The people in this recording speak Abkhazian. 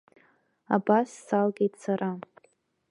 Абас салгеит сара.